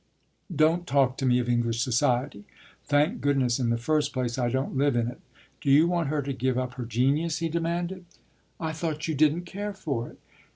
"Don't talk to me of English society! Thank goodness, in the first place, I don't live in it. Do you want her to give up her genius?" he demanded. "I thought you didn't care for it."